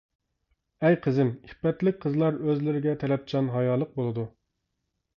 ئەي قىزىم، ئىپپەتلىك قىزلار ئۆزلىرىگە تەلەپچان، ھايالىق بولىدۇ.